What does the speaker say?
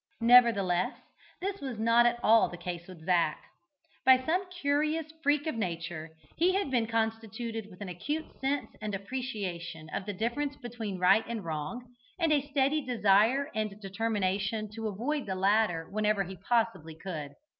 Nevertheless, this was not at all the case with Zac. By some curious freak of Nature, he had been constituted with an acute sense and appreciation of the difference between right and wrong, and a steady desire and determination to avoid the latter whenever he possibly could.